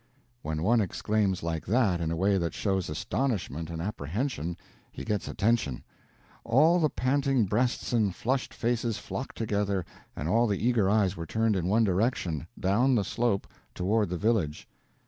When one exclaims like that in a way that shows astonishment and apprehension, he gets attention. All the panting breasts and flushed faces flocked together, and all the eager eyes were turned in one direction—down the slope, toward the village.